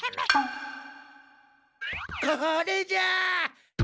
これじゃ！